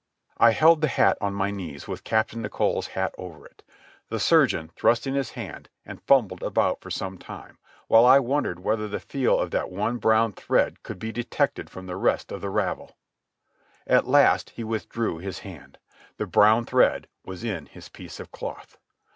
I held the hat on my knees with Captain Nicholl's hat over it. The surgeon thrust in his hand and fumbled about for some time, while I wondered whether the feel of that one brown thread could be detected from the rest of the ravel. At last he withdrew his hand. The brown thread was in his piece of cloth.